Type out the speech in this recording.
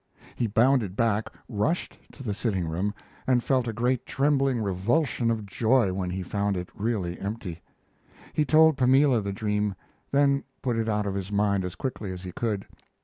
He bounded back, rushed to the sitting room, and felt a great trembling revulsion of joy when he found it really empty. He told Pamela the dream, then put it out of his mind as quickly as he could.